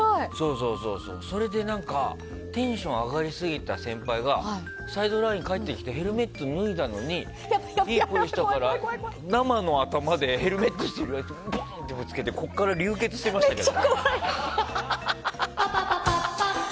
それでテンション上がりすぎた先輩がサイドラインに帰ってきてヘルメットを脱いだのにいいプレーしたから、生の頭でヘルメットしている相手にボーンってぶつけておでこから流血してましたよ。